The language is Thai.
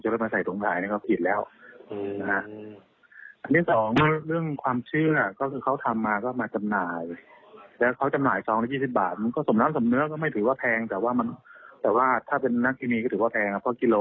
เพราะกิโลนึงไม่ถือตังค์ไม่ถึงร้อยด้วยซ้ำแต่ว่าเขามาใส่ถึง